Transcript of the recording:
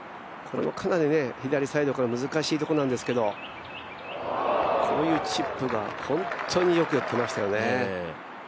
これもかなり左サイドから難しいところなんですけどこういうチップが本当によくやってましたよね。